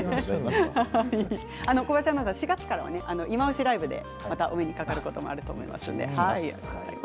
小林アナは４月からまた「いまオシ！ＬＩＶＥ」でお目にかかることもあると思います。